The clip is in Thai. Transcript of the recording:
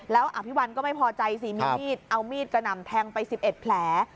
แล้วอภิวัลก็ไม่พอใจสิมีมีดเอามีดกระหน่ำแทงไป๑๑แผล